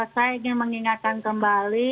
saya ingin mengingatkan kembali